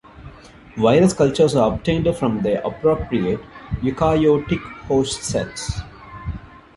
Virus cultures are obtained from their appropriate eukaryotic host cells.